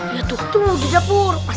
ya tuh tuh mau di dapur